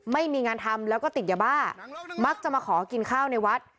ไม่มีงานทำแล้วก็ติดยาบ้ามักจะมาขอกินข้าวในวัด